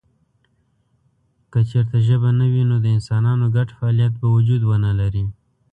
که چېرته ژبه نه وي نو د انسانانو ګډ فعالیت به وجود ونه لري.